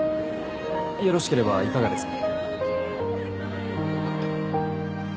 よろしければいかがですか？